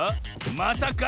まさか？